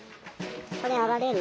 これ上がれる？